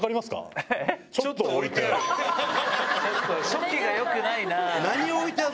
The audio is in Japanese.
書記がよくないな。